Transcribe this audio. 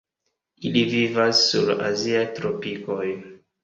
Ili vivas sur la aziaj tropikoj.